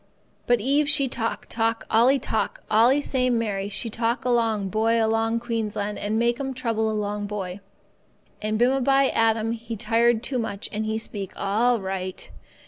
But Eve she talk, talk, talk, allee time—allee same Mary she talk along boy along Queensland and make 'm trouble along boy. And bimeby Adam he tired too much, and he speak, 'All right.